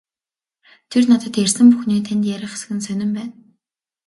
Тэр надад ярьсан бүхнээ танд ярих эсэх нь сонин байна.